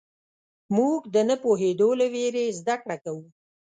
موږ د نه پوهېدو له وېرې زدهکړه کوو.